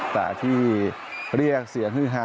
แต่ที่เรียกเสียงฮือฮา